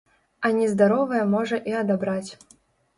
А нездаровае можа і адабраць.